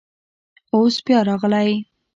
اوس بیا راغلی.